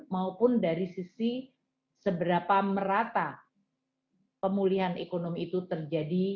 maupun dari sisi seberapa merata pemulihan ekonomi itu terjadi